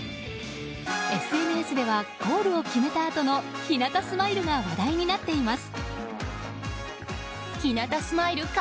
ＳＮＳではゴールを決めたあとのひなたスマイルが話題になっています。